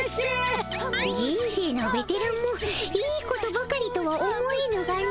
じ人生のベテランもいいことばかりとは思えぬがの。